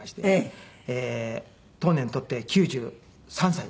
当年とって９３歳。